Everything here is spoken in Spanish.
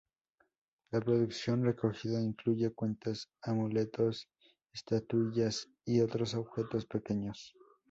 La producción recogida incluye cuentas, amuletos, estatuillas y otros objetos pequeños.